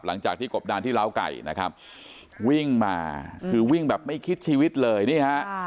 หลังจากที่กบดานที่ล้าวไก่นะครับวิ่งมาคือวิ่งแบบไม่คิดชีวิตเลยนี่ฮะ